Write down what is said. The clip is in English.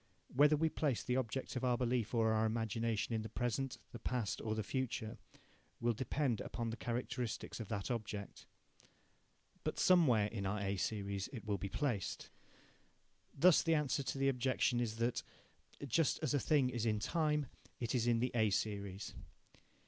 Whether we place the object of our belief or our imagination in the present, the past, or the future, will depend upon the characteristics of that object. But somewhere in our A series it will be placed. Thus the answer to the objection is that, just as a thing is in time, it is in the A series.